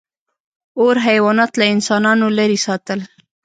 • اور حیوانات له انسانانو لرې ساتل.